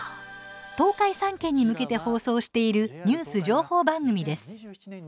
東海３県に向けて放送しているニュース情報番組です。